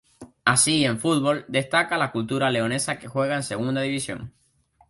Así, en fútbol, destaca la Cultural Leonesa que juega en Segunda División.